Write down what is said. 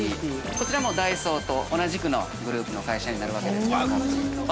こちらもダイソーと同じくのグループの会社になるわけですけども。